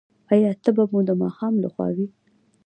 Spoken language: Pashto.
ایا تبه مو د ماښام لخوا وي؟